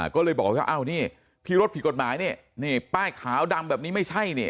ก็เลยบอกว่า